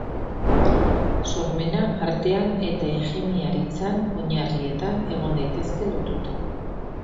Sormena artean eta ingeniaritzan oinarrietan egon daitezke lotuta.